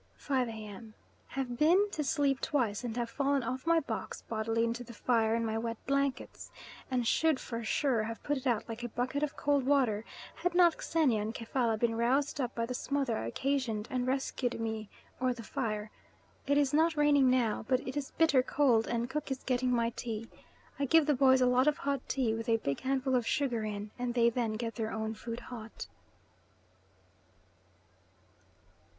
5 A.M. Have been to sleep twice, and have fallen off my box bodily into the fire in my wet blankets, and should for sure have put it out like a bucket of cold water had not Xenia and Kefalla been roused up by the smother I occasioned and rescued me or the fire. It is not raining now, but it is bitter cold and Cook is getting my tea. I give the boys a lot of hot tea with a big handful of sugar in, and they then get their own food hot.